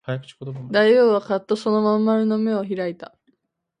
大王はかっとその真ん丸の眼を開いた